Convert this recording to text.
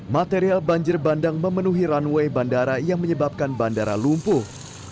material banjir bandang memenuhi runway bandara yang menyebabkan bandara lumpuh